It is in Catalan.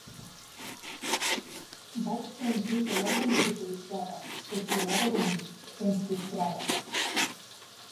Vaig sentir que l'obra em ridiculitzava, es burlava de mi, em frustrava.